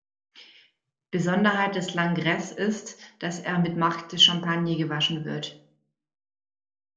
Besonderheit des Langres ist, dass er mit Marc de Champagne gewaschen wird.